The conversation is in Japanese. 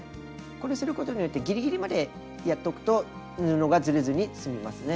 これすることによってぎりぎりまでやっておくと布がずれずにすみますね。